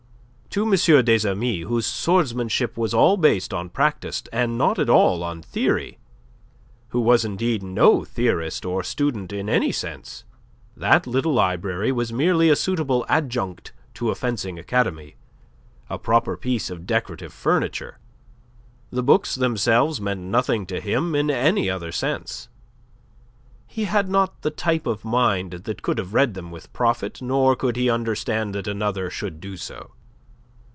To M. des Amis, whose swordsmanship was all based on practice and not at all on theory, who was indeed no theorist or student in any sense, that little library was merely a suitable adjunct to a fencing academy, a proper piece of decorative furniture. The books themselves meant nothing to him in any other sense. He had not the type of mind that could have read them with profit nor could he understand that another should do so.